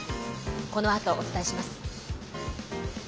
このあと、お伝えします。